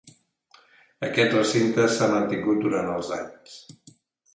Aquest recinte s'ha mantingut durant els anys.